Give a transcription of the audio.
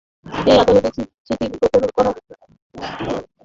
এটি আদালতের দৃষ্টিগোচর করা হলে আদালত স্বতঃপ্রণোদিত হয়ে রুল জারি করেন।